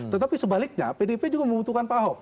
tetapi sebaliknya pdip juga membutuhkan pak ahok